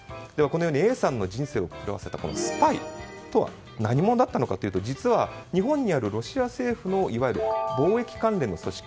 このように、Ａさんの人生を狂わせたスパイとは何者だったのかというと実は日本にあるロシア政府のいわゆる貿易関連の組織